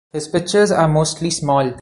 His pictures are mostly small.